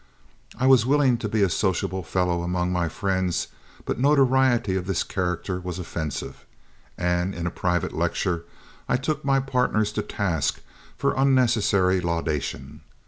I was willing to be a sociable fellow among my friends, but notoriety of this character was offensive, and in a private lecture I took my partners to task for unnecessary laudation.